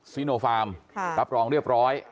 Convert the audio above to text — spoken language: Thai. ซีโนฟาร์มรับรองเรียบร้อย